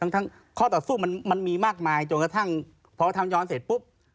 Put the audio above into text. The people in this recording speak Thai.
ทั้งข้อต่อสู้มันมีมากมายจนกระทั่งพอทำย้อนเสร็จปุ๊บ